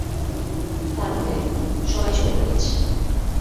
তার ভয়ে সবাই চুপ করে গেছে।